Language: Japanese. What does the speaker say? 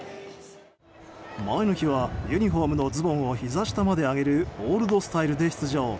前の日は、ユニホームのズボンをひざ下まで上げるオールドスタイルで出場。